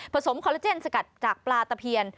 สมคอลลาเจนสกัดจากปลาตะเพียน